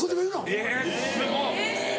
えすごっ！